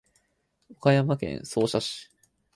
岡山県総社市